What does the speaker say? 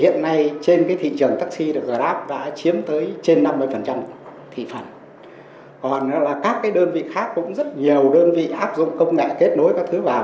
các đơn vị khác cũng rất nhiều đơn vị áp dụng công nghệ kết nối các thứ vào